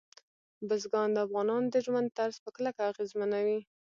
بزګان د افغانانو د ژوند طرز په کلکه اغېزمنوي.